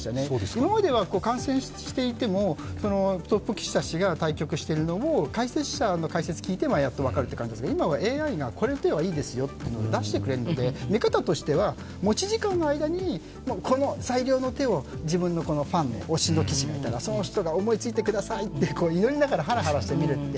今までは観戦していても、トップ棋士たちが対局しているのを解説者の解説を聞いてやっと分かるという感じでしたが、今はＡＩがこの手はいいですよというのを出してくれるので、見方としては、持ち時間の間にこの最良の手を自分のファン、推しの棋士がいたら、思いついてくださいって思いながら祈りながら、ハラハラして見るので。